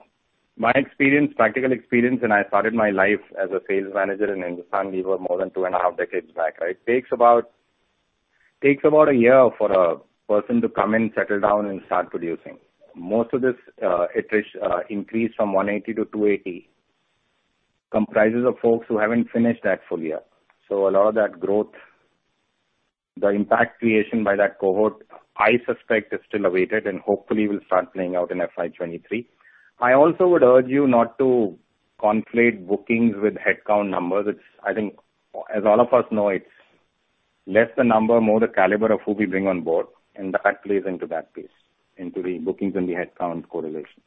my experience, practical experience, when I started my life as a sales manager in Hindustan Lever more than two and a half decades back. It takes about a year for a person to come in, settle down and start producing. Most of this increase from 180-280 comprises of folks who haven't finished that full year. A lot of that growth, the impact creation by that cohort, I suspect, is still awaited and hopefully will start playing out in FY 2023. I also would urge you not to conflate bookings with headcount numbers. It's, I think, as all of us know, it's less the number, more the caliber of who we bring on board, and that plays into that piece, into the bookings and the headcount correlation.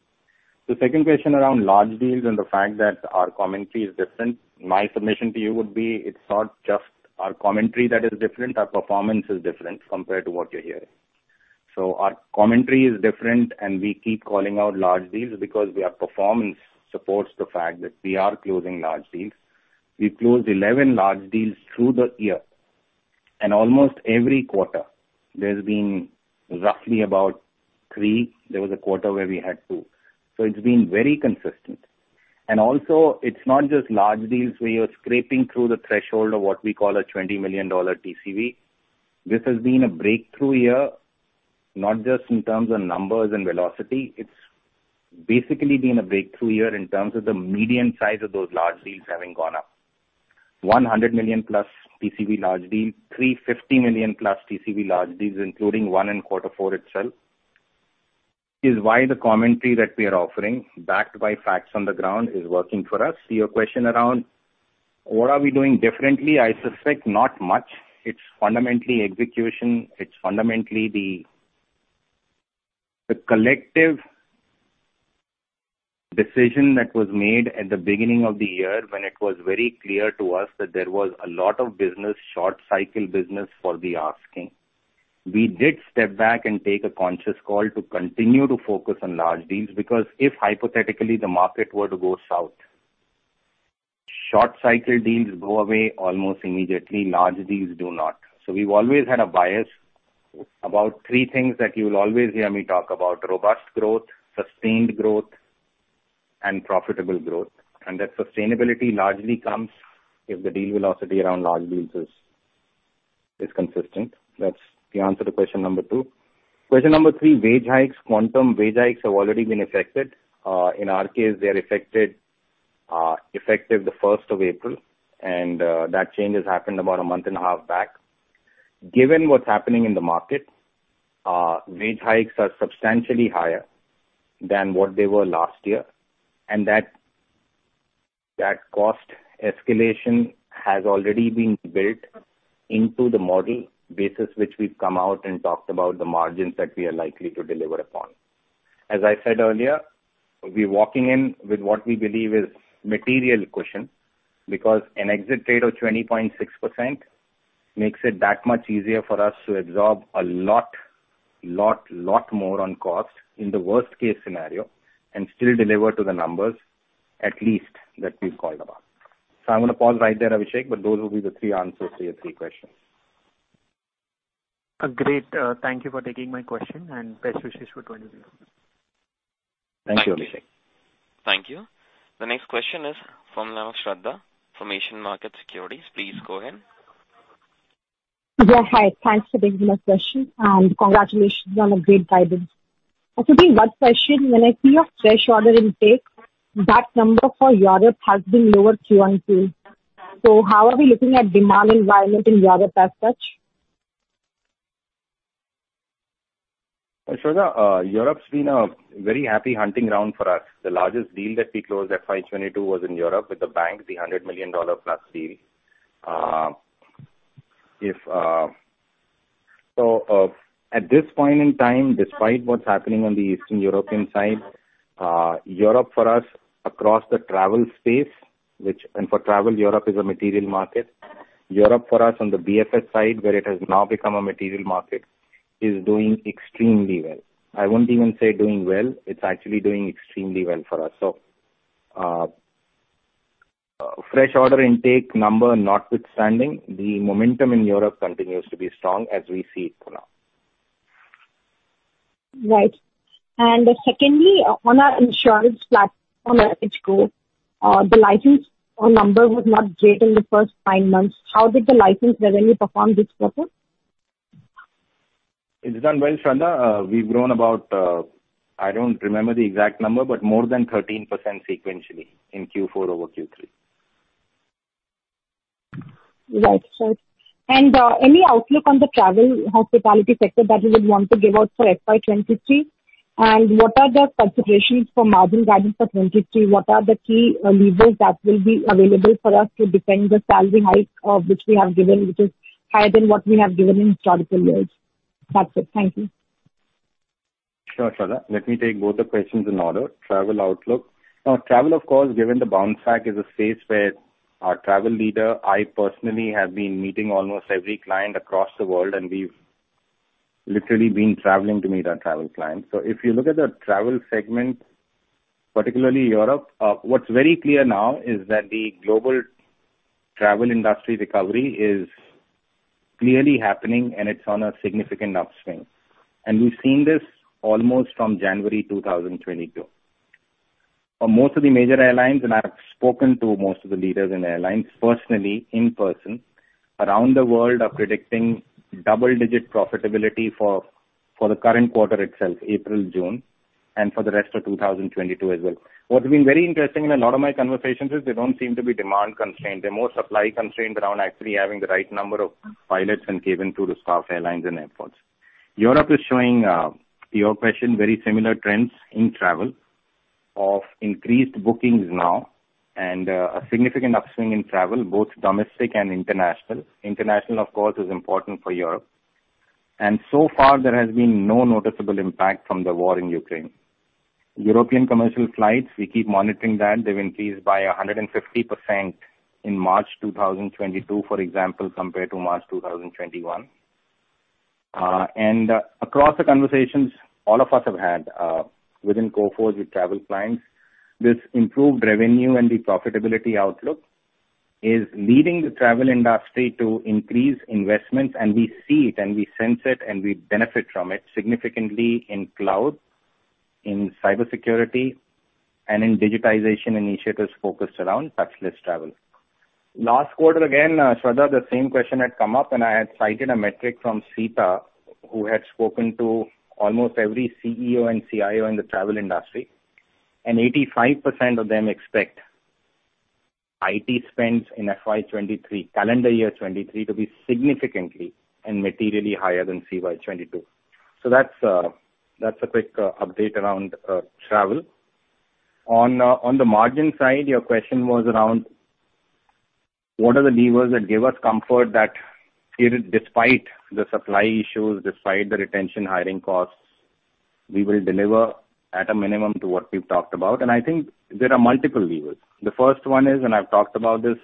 The second question around large deals and the fact that our commentary is different. My submission to you would be it's not just our commentary that is different. Our performance is different compared to what you're hearing. Our commentary is different, and we keep calling out large deals because our performance supports the fact that we are closing large deals. We closed 11 large deals through the year, and almost every quarter there's been roughly about three. There was a quarter where we had two. It's been very consistent. Also it's not just large deals where you're scraping through the threshold of what we call a $20 million TCV. This has been a breakthrough year, not just in terms of numbers and velocity. It's basically been a breakthrough year in terms of the median size of those large deals having gone up. 100 million+ TCV large deals, 350 million+ TCV large deals, including one in quarter four itself, is why the commentary that we are offering, backed by facts on the ground, is working for us. To your question around what are we doing differently, I suspect not much. It's fundamentally execution. It's fundamentally the collective decision that was made at the beginning of the year when it was very clear to us that there was a lot of business, short cycle business for the asking. We did step back and take a conscious call to continue to focus on large deals, because if hypothetically the market were to go south, short cycle deals go away almost immediately. Large deals do not. We've always had a bias about three things that you'll always hear me talk about: robust growth, sustained growth, and profitable growth. That sustainability largely comes if the deal velocity around large deals is consistent. That's the answer to question number two. Question number three, wage hikes. Quantum wage hikes have already been affected. In our case, they're affected effective the first of April, and that change has happened about a month and a half back. Given what's happening in the market, wage hikes are substantially higher than what they were last year, and that cost escalation has already been built into the model basis which we've come out and talked about the margins that we are likely to deliver upon. As I said earlier, we're walking in with what we believe is material cushion because an exit rate of 20.6% makes it that much easier for us to absorb a lot more on cost in the worst case scenario and still deliver to the numbers at least that we've called about. I'm gonna pause right there, Abhishek, but those will be the three answers to your three questions. Great thank you for taking my question and best wishes for 2023. Thank you, Abhishek. Thank you. The next question is from Shradha from Asian Market Securities. Please go ahead. Yeah, hi. Thanks for taking my question and congratulations on a great guidance. Actually, one question. When I see your fresh order intake, that number for Europe has been lower in Q1 too. How are we looking at demand environment in Europe as such? Shradha, Europe's been a very happy hunting ground for us. The largest deal that we closed, FY 2022, was in Europe with the bank, the $100 million+ deal. At this point in time, despite what's happening on the Eastern European side, Europe for us across the travel space, which, and for travel, Europe is a material market. Europe for us on the BFS side, where it has now become a material market, is doing extremely well. I won't even say doing well. It's actually doing extremely well for us. Fresh order intake number notwithstanding, the momentum in Europe continues to be strong as we see it for now. Right. Secondly, on our insurance platform, AdvantageGo, the license revenue number was not great in the first five months. How did the license revenue perform this quarter? It's done well, Shradha. We've grown about, I don't remember the exact number, but more than 13% sequentially in Q4 over Q3. Right. Any outlook on the travel hospitality sector that you would want to give out for FY 2023? What are the considerations for margin guidance for 2023? What are the key levers that will be available for us to defend the salary hike of which we have given, which is higher than what we have given in historical years? That's it. Thank you. Sure, Shradha. Let me take both the questions in order. Travel outlook. Now, travel of course, given the bounce back, is a space where our travel leader, I personally have been meeting almost every client across the world, and we've literally been traveling to meet our travel clients. So if you look at the travel segment, particularly Europe, what's very clear now is that the global travel industry recovery is clearly happening, and it's on a significant upswing. We've seen this almost from January 2022. For most of the major airlines, and I've spoken to most of the leaders in airlines personally, in person, around the world are predicting double-digit profitability for the current quarter itself, April-June, and for the rest of 2022 as well. What has been very interesting in a lot of my conversations is they don't seem to be demand-constrained. They're more supply-constrained around actually having the right number of pilots and cabin crew to staff airlines and airports. Europe is showing, to your question, very similar trends in travel of increased bookings now and, a significant upswing in travel, both domestic and international. International, of course, is important for Europe. So far there has been no noticeable impact from the war in Ukraine. European commercial flights, we keep monitoring that. They've increased by 150% in March 2022, for example, compared to March 2021. Across the conversations all of us have had, within Coforge with travel clients, this improved revenue and the profitability outlook is leading the travel industry to increase investments. We see it and we sense it and we benefit from it significantly in cloud, in cybersecurity, and in digitization initiatives focused around touchless travel. Last quarter again, Shradha, the same question had come up, and I had cited a metric from SITA, who had spoken to almost every CEO and CIO in the travel industry. 85% of them expect IT spends in FY 2023, calendar year 2023, to be significantly and materially higher than FY 2022. That's a quick update around travel. On the margin side, your question was around what are the levers that give us comfort that despite the supply issues, despite the retention hiring costs, we will deliver at a minimum to what we've talked about. I think there are multiple levers. The first one is, I've talked about this,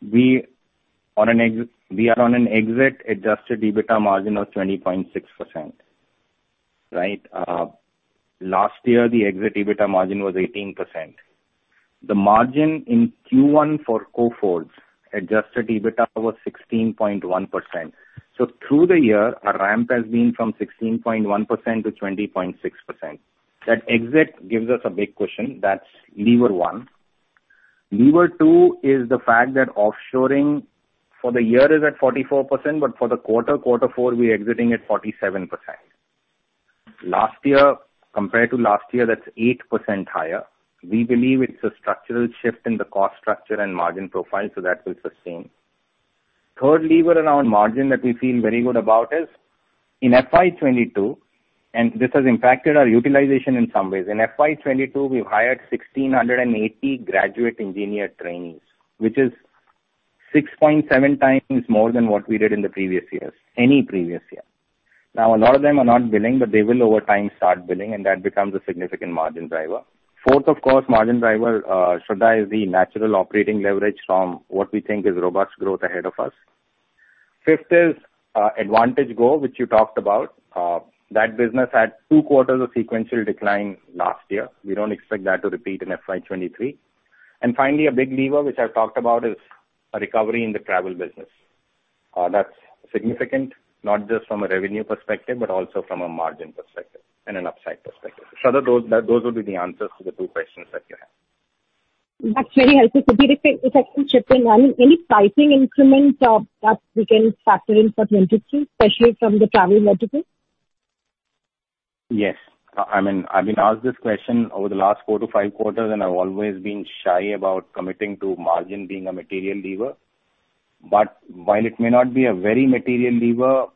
we are on an exit adjusted EBITDA margin of 20.6%, right? Last year, the exit EBITDA margin was 18%. The margin in Q1 for Coforge adjusted EBITDA was 16.1%. Through the year, our ramp has been from 16.1%-20.6%. That exit gives us a big cushion. That's lever one. Lever two is the fact that offshoring for the year is at 44%, but for the quarter four, we're exiting at 47%. Last year, compared to last year, that's 8% higher. We believe it's a structural shift in the cost structure and margin profile, so that will sustain. Third lever around margin that we feel very good about is in FY 2022, and this has impacted our utilization in some ways, in FY 2022, we hired 1,680 graduate engineer trainees, which is 6.7x more than what we did in the previous years, any previous year. Now, a lot of them are not billing, but they will over time start billing, and that becomes a significant margin driver. Fourth, of course, margin driver, Shradha, is the natural operating leverage from what we think is robust growth ahead of us. Fifth is, AdvantageGo, which you talked about. That business had two quarters of sequential decline last year. We don't expect that to repeat in FY 2023. Finally, a big lever which I've talked about is a recovery in the travel business. That's significant, not just from a revenue perspective, but also from a margin perspective and an upside perspective. Shradha, those would be the answers to the two questions that you have. That's very helpful. Sudhir, if I can chip in. Any pricing increments that we can factor in for 2022, especially from the travel vertical? Yes. I mean, I've been asked this question over the last 4-5 quarters, and I've always been shy about committing to margin being a material lever. While it may not be a very material lever,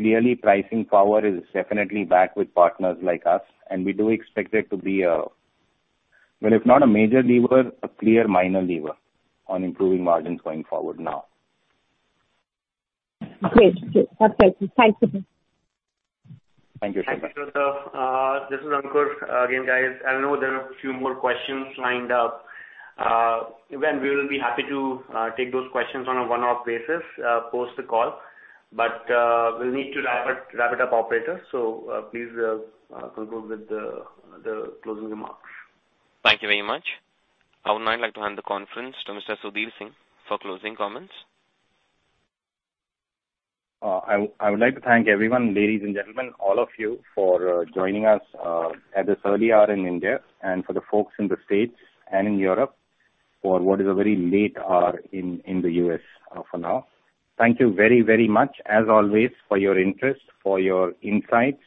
clearly pricing power is definitely back with partners like us, and we do expect it to be a well, if not a major lever, a clear minor lever on improving margins going forward now. Great. That's great. Thanks, Sudhir. Thank you, Shradha. Thank you, Shradha. This is Ankur. Again, guys, I know there are a few more questions lined up. Again, we will be happy to take those questions on a one-off basis post the call. We'll need to wrap it up, operator. Please conclude with the closing remarks. Thank you very much. I would now like to hand the conference to Mr. Sudhir Singh for closing comments. I would like to thank everyone, ladies and gentlemen, all of you, for joining us at this early hour in India and for the folks in the States and in Europe for what is a very late hour in the US for now. Thank you very much as always for your interest, for your insights.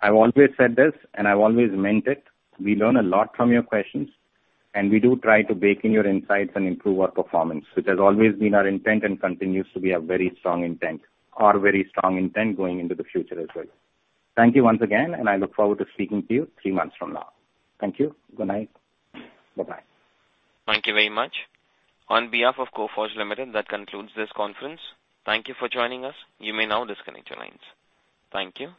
I've always said this, and I've always meant it. We learn a lot from your questions, and we do try to bake in your insights and improve our performance, which has always been our intent and continues to be a very strong intent, our very strong intent going into the future as well. Thank you once again, and I look forward to speaking to you three months from now. Thank you. Good night. Bye-bye. Thank you very much. On behalf of Coforge Limited, that concludes this conference. Thank you for joining us. You may now disconnect your lines. Thank you.